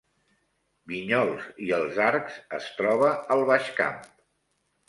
Vinyols i els Arcs es troba al Baix Camp